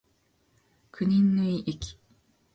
国縫駅